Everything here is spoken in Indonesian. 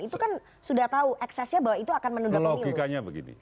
itu kan sudah tahu eksesnya bahwa itu akan menunda pemilu